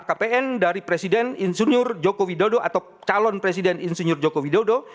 diekan oleh bumn dari presiden insinyur jokowi dodo atau calon presiden insinyur joko widodo